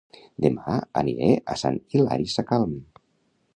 Dema aniré a Sant Hilari Sacalm